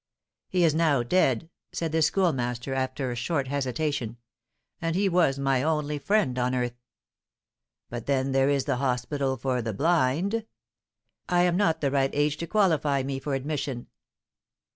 "He is now dead," said the Schoolmaster, after a short hesitation; "and he was my only friend on earth." "But then there is the hospital for the blind." "I am not the right age to qualify me for admission."